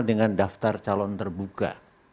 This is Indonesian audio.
dengan daftar calon terbuka